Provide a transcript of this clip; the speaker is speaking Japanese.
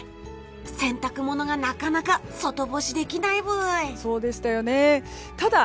洗濯物がなかなか外干しできないブイ。